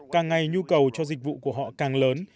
càng ngày nhu cầu cho dịch vụ của họ càng lớn